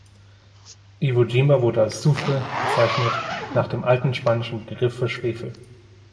Iwo Jima wurde als „Sufre“ bezeichnet, nach dem alten spanischen Begriff für Schwefel.